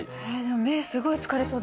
目すごい疲れそうですね